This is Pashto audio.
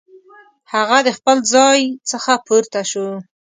هغه د خپل ځای څخه پورته شو.